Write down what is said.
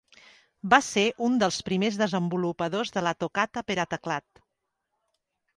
Va ser un dels primers desenvolupadors de la tocata per a teclat.